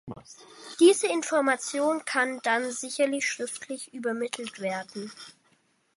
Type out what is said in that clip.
Diese Information kann dann sicherlich schriftlich übermittelt werden.